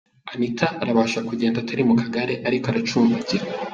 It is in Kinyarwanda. Anita arabasha kugenda atari mu kagare ariko aracumbagira.